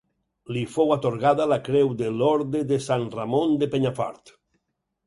Li fou atorgada la creu de l'Orde de Sant Ramon de Penyafort.